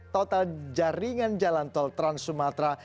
total jaringan jalan tol trans sumatera